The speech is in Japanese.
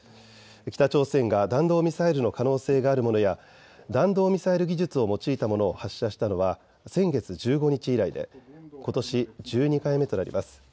北朝鮮が弾道ミサイルの可能性があるものや弾道ミサイル技術を用いたものを発射したのは先月１５日以来でことし１２回目となります。